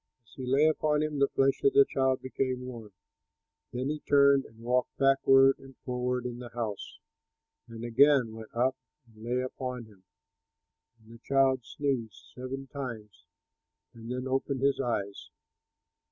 As he lay upon him, the flesh of the child became warm. Then he turned and walked backward and forward in the house, and again went up and lay upon him, and the child sneezed seven times, and then opened his eyes.